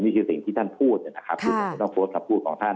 นี่คือสิ่งที่ท่านพูดนะครับคุณหมอไม่ต้องโฟสต์กับผู้ของท่าน